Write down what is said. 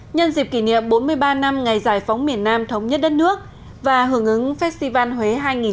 nhân dịp kỷ niệm bốn mươi ba năm ngày giải phóng miền nam thống nhất đất nước và hưởng ứng festival huế hai nghìn một mươi chín